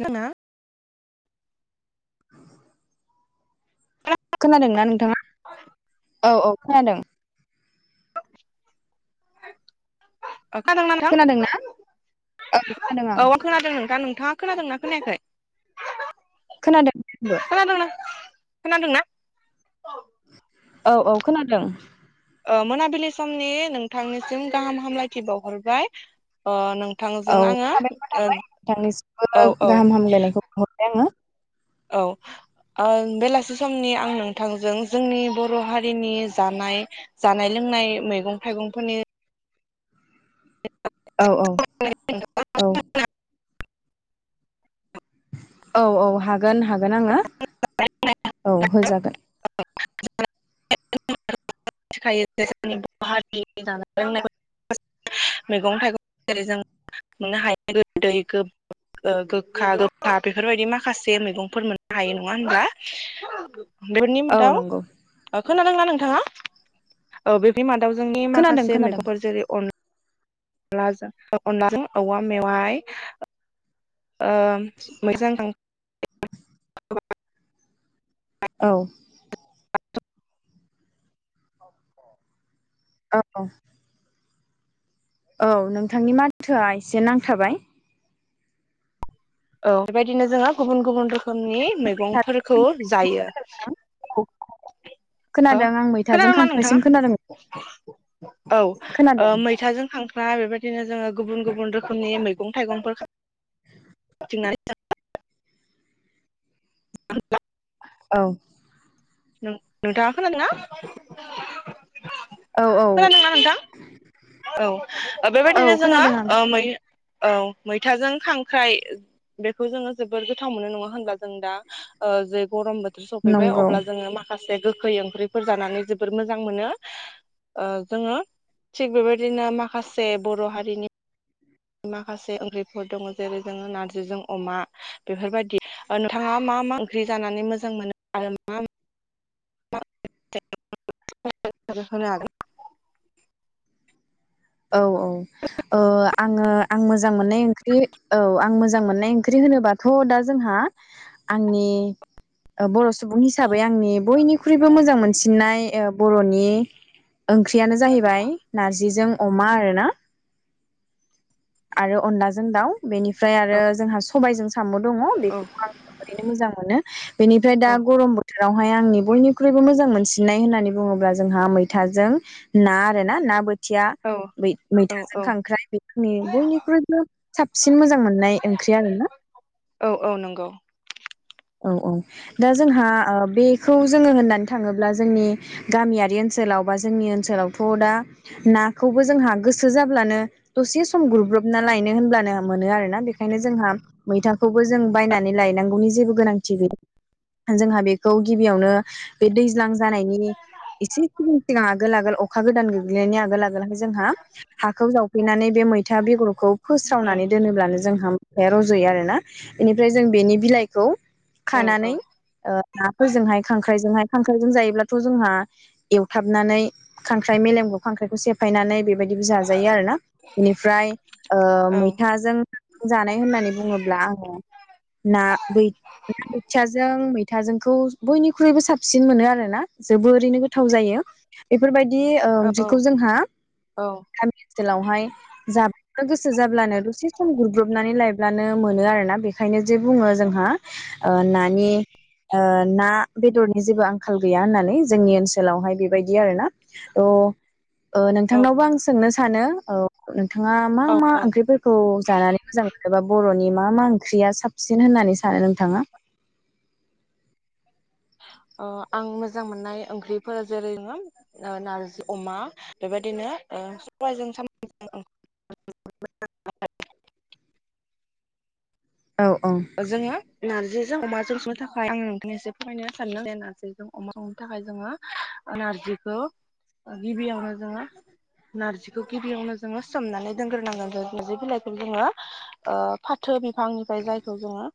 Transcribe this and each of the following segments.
नाङा खोनादों ना नोंथाङा औ औ खोनादों। ओं खादोंना नोंथां खोनादोंना? औ खोनादों आं औ खोनादों नोंथां नों नोंथाङा खोनादोंना खोनायाखै? खोनादों आंबो। खोनादोंना खोनादोंना? औ औ खोनादों। ओ मोनाबिलि समनि नोंथांनिसिम गाहाम हामलायथि बावहरबाय ओ नों औ साबायखर थाबाय ओ औ नथांनिसिमबो औ गाहाम हामलायनायखौ बहरबाय आङो। औ ओ बेलासि समनि आं नोंथांजों जोंनि बर' हारिनि जानाय जानाय लोंनाय मैगं थाइगंफोरनि औ औ औ। औ औ हागोन हागोन आङो औ होजागोन। मिथिखायो जोंनि बर हारि जानाय लोंनाय मैगं थाइगं जेरै जों मोननो हायो गोदै गोखा गोखा बेफोरबायदि माखासे मैगंफोर मोननो हायो नङा हब्ला? औ नंगौ [unintelligible] खोनादोंना नोंथाङा? औ बे बिमान दाउजोंनि खोनादों माखासे खोनादों मैगंफोर जेरै अन लाजों अनलाजों औवा मेवाय ओ मोजां [unintelligible] औ। औ। औ नोंथांनि माथोआ एसे नांथाबाय। औ बेबायदिनो जोङो गुबुन गुबुन रोख रोखोमनि मैगंफोरखौ जायो। औ हो खोनादों आं मैथाजों खोनादोंना नोंथाङा खांख्रायसिम खोनादों। औ ओ खोनादों मैथाजों खांख्रा बेबाद बिदिनो जोङो गुबुन गुबुन रोखोमनि मैगं थाइगंफोर [unintelligible] [unintelligible] औ। नों-नोंथाङा खोनादोंना? औ औ खोनादोंना नोंथां? औ ओ औ बेबायदिनो जोङो खोनादों आं ओ मै औ मैथाजों खांख्राइ बेखौ जोङो जोबोद गोथाव मोनो नङा होनब्ला जों दा जे गरम बो सफैबाय नंगौ अब्ला जोङो माखासे गो गोखै ओंख्रिफोर जानानै जोबोर मोजां मोनो ओ जोङो थिग बेबायदिनो माखासे बर' हारिनि माखासे ओंख्रिफोर दङ जेरै जोङो नारजिजों अमा बेफोरबायदि ओ नोंथाङा मा मा ओंख्रि जानानै मोजां मोनो आरो मा [unintelligible] औ औ ओ आङो आं मोजां मोननाय ओंख्रि औ आं मोजां मोननाय ओंख्रि होनोबाथ' दा जोंहा आंनि ओ बर' सुबुं हिसाबै आंनि बयनिख्रुइबो मोजां मोनसिननाय ओ बर'नि ओंख्रियानो जाहैबाय नारजिजों अमा आरो ना आरो अनला जों दाव बेनिफ्राय आरो औ जोंहा सबायजों साम' दङ' औ बेफोरखौ आं [unintelligible] मोजां मोनो बेनिफ्राय दा औ गरम बो जेरावहाय आंनि बयनिख्रुइबो मोजां मोनसिननाय होननानै बुङोब्ला जोंहा मैथाजों ना आरोना ना बोथिया। औ बै औ मैथाजों औ खांख्राइ बेफोरनि बयनिख्रुइबो साबसिन मोजां मोननाय ओंख्रि आरोना। औ औ नंगौ। औ औ दा जोंहा ओ बेखौ जोङो होननानै थाङोब्ला जोंनि गामियारि ओनसोलाव बा जोंनि ओनसोलावथ' दा नाखौबो जोंहा गोसो जाब्लानो दसे सम ग्रुरब्रबना लायनो होनब्लानो मोनो आरोना बेनिखायनो जोंहा मैथाखौबो जों बायनानै लायनांगौनि जेबो गोनांथि गैया जोंहा बेखौ गिबियावनो बे दैज्लां जानायनि एसे सिगां आगोल आगोल अखा गोदान गोग्लैनायनि आगोल आगोलहाय जोंहा हाखौ जावफैनानै बे मैथा बेगरखौ औ फोस्रावनानै दोनोब्लानो जों थाया रज'यो आरोना बेनिफ्राय जों बेनि बिलाइखौ। औ औ खानानै ओ नाफोरजोंहाय खांख्राइजोंहाय खांख्राइजों जायोब्ला थ' जोंहा एवथाबनानै। खांख्राइ मेलेमखौ। खांख्रायखौ सेफायनानै। बेबायदिबो जाजायो आरोना बेनिफ्राय ओ औ औ मैथाजों जानाय होननानै बुङोब्ला आङो ना बै। बोथियाजों मैथाजोंखौ बयनिख्रुइबो साबसिन मोनो आरोना जोबोरैनो गोथाव जायो बेफोरबायदि बे ओ ओंख्रिखौ जोंहा औ गामि ओनसोलावहाय। जानो गोसो जाब्लानो दसे सम गुरब्रबनानै लायब्लानो मोनो आरोना बेखायनो। जे बुङो जोंहा। ओ नानि ओ ना बेदरनि जेबो आंखाल गैया होननानै जोंनि ओनसोलावहाय बेबायदि आरोना थह ओ औ नोंथांनावबो आं सोंनो सानो औ। नोंथाङा मा औ मा औ ओंख्रिफोरखौ जानानै मोजां मोनोबा बर'नि। मा मा ओंख्रिया साबसिन होननानै सानो नोंथांआ। अ आं मोजां मोननाय ओंख्रिफोर जेरै [unintelligible] ओ नारजि अमा बेबायदिनो ओ सबायजों साम [unintelligible] औ औ जोङो नारजि। जों अमाजों संनो थाखाय आङो नोंथांनो एसे फोरमायनो सानदों नारजिजों अमा संनो थाखाय जोङो ओ नारजिखौ ओ गिबियावनो जोङो नारजिखौ गिबियावनो जोङो सोमनानै दोनग्रोनांगोन जों जे बिलाइखौ जोङो ओ फाथो बिफांनिफ्राय जाय जोङो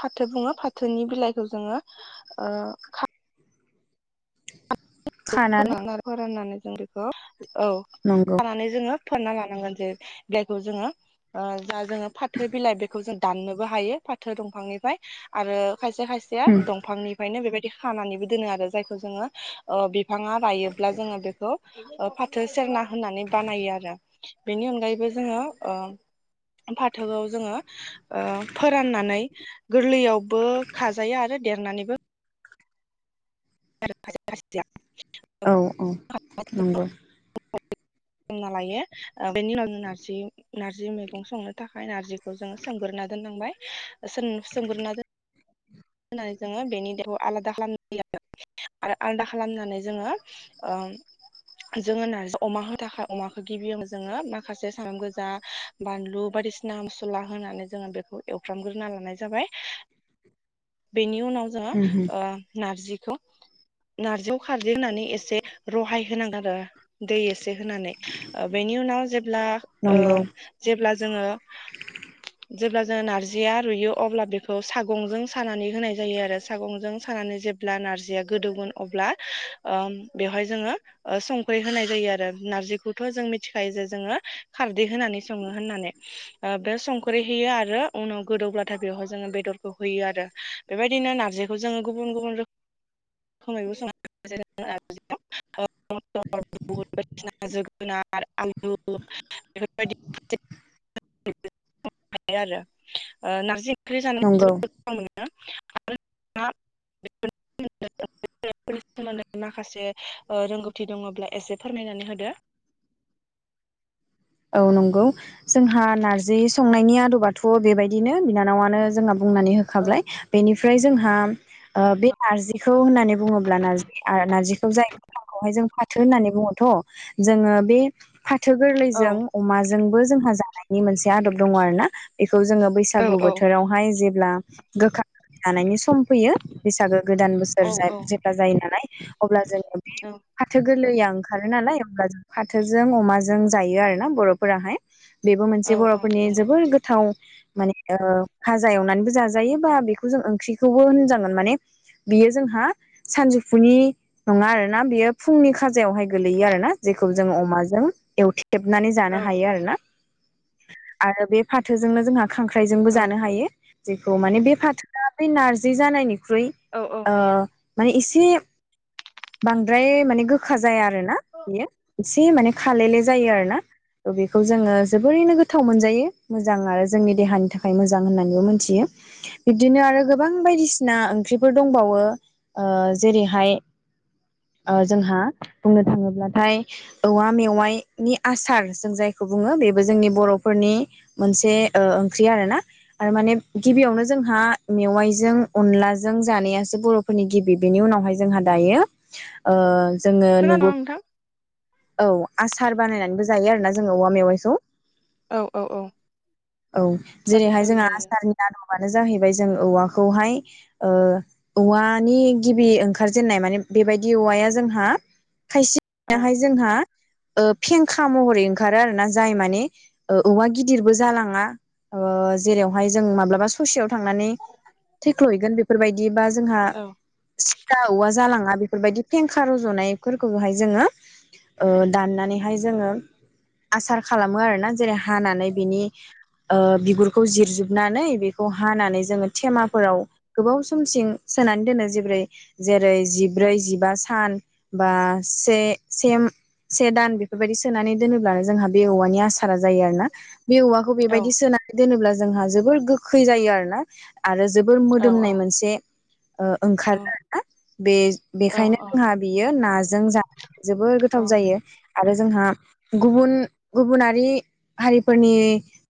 फाथो बुङो फाथोनि बिलाइखौ जोङो ओ [unintelligible] खानानै जों बेखौ। औ नंगौ खानानै जोङो। फोनना लानांगोन जे जायखौ जोङो ओ बा जोङो फाथो बिलाइ बेखौ जों दाननोबो हायो फाथो दंफांनिफ्राय आरो खायसे खायसेया उम दंफांनिफायनो बेबायदि बि खानानैबो दोनो आरो जायखौ जोंङो ओ बिफाङा रायोब्ला जोंङो बेखौ फाथो सेरना होननानै बानायो आरो बेनि अनगायैबो जोंङो ओ फाथोआव जोंङो ओ फोराननानै गोरलैयावबो खाजायो आरो देरनानैबो [unintelligible] औ औ नंगौ -ना लायो बेनि उनावनो नारजि नारजि मैगं संनो थाखाय नारजिखौ जोंङो सोमग्रोना दोननांबाय सोम सोमग्रोना होनानै जोंङो बेनि देहाखौ आलादा खालामनाय आरो आलादा खालामनानै जोंङो ओ जोंङो नारजि अमा होनो थाखाय अमाखौ गिबियावनो जोंङो माखासे सामब्राम गोजा बानलु बायदिसिना मसला होनानै जोंङो बेखौ एवफ्रामग्रोना लानाय जाबाय बेनि उनाव उम ओ नारजि नारजियाव खारजि होननानै एसे रहाय होनांगोन आरो दै एसे जे होनानै ओ बेनि उनाव जेब्ला ओ नंगौ जेब्ला जोंङो। [inaudible] जेब्ला जोंङो नारजिया रुइयो अब्ला बेखौ सागंजों सानानै होनाय जायो आरो सागंजों सानानै जेब्ला नारजिया गोदौगोन अब्ला ओ बेवहाय जोंङो संख्रि होनाय जायो आरो नारजि बेखौथ जों मिथिखायो जे जोंङो खारदै होनानै संङो होननानै ओ बेयाव संख्रि होयो आरो उनाव गोदौब्लाथाय बेवहाय जोंङो बेदरखौ होयो आरो- बेबायदिनो नारजिखौ जोंङो गुबुन गुबुन [unintelligible] सं बाय जोगोनार आलु बेफोर [unintelligible] नंगौ [unintelligible] माखासे ओ रोंगथि दंङोब्ला एसे फोरमायना होदो। औ नंगौ जोंहा नारजि संनायनि आदबाथ बेबायदिनो बिनानावानो जोंहा- बुंनानै होखाबाय बेनि ओमफ्राय जोंहा ओ बे नारजिखौ होननानै बुंङोब्लाारज नारजिखौ जायखौहाय जों फाथो होननानै बुङोथ जोंङो बे फाथो औ जों अमाजोंबो जोंहा जानायनि मोनसे आदब दंङ आरोना बे बेखौ जोंङो औ बैसागु औ बोथोरावहाय जेब्ला गोखा जानायनि सम फैयो बैसागो गोदान बोसोर जेब्ला जायो नालाय अब्ला जोंङो बे औ फाथो गोरलैयाव ओंखारो नालाय अब्ला जों फाथोजों अमाजों जायो आरो ना बर हाय बेबो औ मोनसे औ बरफोरनि नंगौ जोबोर गोथाव माने खाजा एवनानैबो जाजायो बा बेखौ जों ओंख्रिखौबो होनजागोन माने बियो जोंहा सानजौफुनि नङा आरोना बेयो फुंनि खाजायावहाय गोलैयो आरो ना जेखौ जोंङ अमाजों एवथे गबनानै जानो औ हायो औ आरो ना। आरो बे फाथोजोंनो जोंहा खांख्राइजोंबो औ जानो हायो। जेखौ माने बे फाथोआ बे नारजि जानायनि ख्रुइ औ औ ओ हायो माने एसे एसे बांद्राय माने गोखा जाया आरो ना बेयो। एसे माने खालायलाय जायो आरो बेखौ जोङो जोबोरैनो गोथाव मोनजायो मोजां आरो जोंनि देहानि थाखाय मोजां होननानैबो मोनथियो बिब्दिनो आरो गोबां बायदिसिना ओंख्रिफोर दंबावो ओ जेरैहाय जोंहा बुंनो थाङोब्लाथाय औवा मेवाइनि आसार जों जायखौ बुङो बेबो जोंनि बर'फोरनि मोनसे ओ ओंख्रि आरो ना आरो माने गिबियावनो जोंहा मेवाइजों अनलाजों जानायासो बर'फोरनि गिबि बेनि उनावहाय जोंहा दायो ओ जोङो खोनादों नुबो ना नोंथां? औ आसार बानायनानै जायो आरोना जों औवा मेवाइखौ औ औ औ औ थासारि जेरैहाय हिसाबै जोंहा जायो। आसारनिला दङ आनो जाहैबाय जों औवाखौहाय ओ औवानि गिबि ओंखार जेननाय माने बेबायदि औवाया जोंहा औ खायसेयाहाय जोंहा ओ फें खा महरै ओंखारो आरोोना जाय माने औवा गिदिरबो जालाङा ओ जेरावहाय जों माब्लाबा ससेयाव थनानै थैख्ल'हैगोन बेफोरबायदि बा जोंहा औ सिगा औवा जालाङा बेफोरबायदि फेंखा रजनायफोरखौहाय जोङो ओ दाननानैहाय जोङो आसार खालामो आरोोना जेरै हानानै बिनि ओ बिगुरखौ जिरजोबनानै बेखौ हानानै जोङो थेमाफोराव गोबाव समसिम सोनानै दोनो जेरै जेरै जिब्रै जिबा सान बा से से सेदान बे बेबायाददि सोनानै दोनोब्लानो जोंहा बे औवानि आसारा जायो आरो ना बे औवाखौ औ बेबायदि सोनानै दोनोब्ला जोंहा जोबोर गोखै जायो आरोना आरो जोबोर औ औ मोदोमनाय मोनसे ओ औ ओंखारो आरोना बे बेखायनो औ जोंहा बियो नाजों जानो जोबोर औ गोथाव जायो आरो जोंहा गुबुन गुबुनारि हारिफोरनि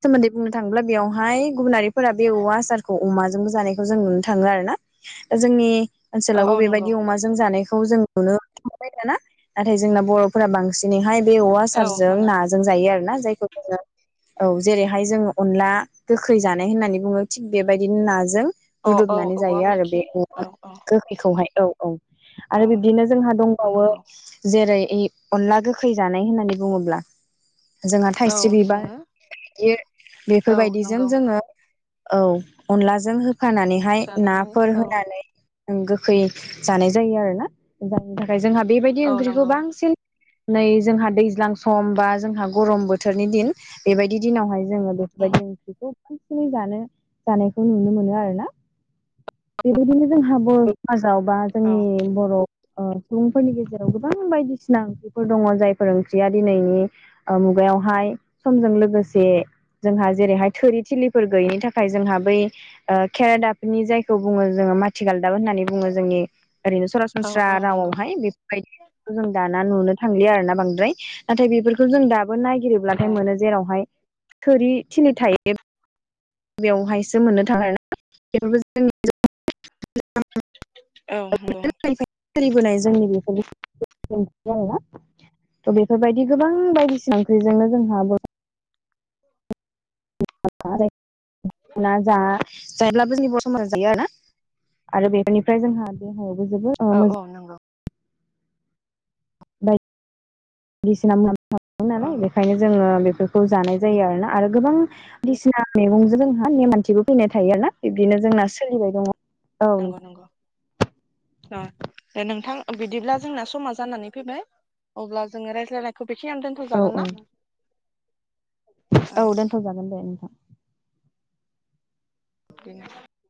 सोमोन्दै बुंनो थाङोब्ला बेयावहाय गुबुनारिफोरा बे औवा आसारखौ अमाजोंबो जानायखौ जों नुनो थाङो आर ना दा जोंनि औ औ ओनसोलावबो नंगौ बेबायदि अमाजों जानायखौ जों नुनो हबाय दाना नाथाय जोंना बर'फोरा बांसिन सिनैहाय बे औवा औ सारजों मोना नाजों जायो आरो ना जायखौ जोङो औ जेरैहाय जोङो अनला गोखै जानाय होननानै बुङो थिग बेबायदिनो नाजों अ औ रुदबनानै औवा जायो आरो बे मेखि औ औ गोखैखौहाय औ औ आरो औ बिब्दिनो जोंहा दंबावो नंगौ जेरै ए अनला गोखै जानाय होननानै बुङोब्ला जोंहा औ थाइस्रि बिबार जोङो बियो औ बेफोरबायदिजों नंगौ जोङो औ अनलाजों हो होखानानैहाय जानो हायो नाफोर औ होनानै गोखै जानाय जायो आरो ना जायनि थाखाय जोंहा बेबायदि औ ओंख्रिखौ नंगौ बांसिन नै जोंहा दैज्लां सम बा जोंहा गरम बोथोरनि दिन बेबायदि दिनावहाय जोङो उम बेफोरबायदि ओंख्रिखौ बांसिनै जानो जानायखौ नुनो मोनो आरो ना बेे बेदिनो जों हाब जेरावबा औ जोंनि बर' अ सुबुंफोरनि गेजेराव गोबां बायदिसिना बायदिसिना ओंख्रिफोर दङ जायफोर ओंख्रिया दिनैनि मुगायावहाय समजों लोगोसे जोंहा जेरैहाय थोरि थिलिफोर गैयिनि थाखाय जोंहा बै केरेदा जायखौ बुङो जों माथि [unintelligible] होननानै बुङो जोंनि ओरैनो औ सरासनस्रा औ नंगौ रावावहाय बेफोरबायदि जों दा नुनो थांलिया आरोना बांद्राय नाथाय बेफोरखौ जों दा औ नायगिरोब्लाथाय मोनो जेरावहाय थोरि थिलि थायो बेवहायसो मोननो थाङा ना [unintelligible] औ औ। सोलिबोनाय जोंनि बेफोरओ आरोना थ' बेफोरबायदि गोबां बायदिसिना ओंख्रिजोंनो जोंहा बर' जा जायब्लाबो जोंनिब समाज जायो आरोना आरो बेनिफ्राय जोंहा देहा जबो औ मोज औ नंगौ बाय बिस थदों नालाय अ बेखायनो जोङो बेफोरखौ जानाय जायो आरोना आरो गोबां बिसिना ओं मैगंजों जोंहा नेम खाथिबो फैनाय थायो ना बिब्दिनो जोंना सोलिबाय दङ औ नंगौ नंगौ दे नोंथां बिदिब्ला जोंना समा जानानै फैबाय अब्ला जोङो रायज्लायनायखौ बेखिनियानो नोंथां औ दोनथ'जागोन ना? औ दोनथ'जागोन दे नोंथां। [inaudible]